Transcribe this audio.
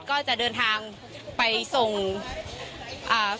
คุณค่ะคุณค่ะ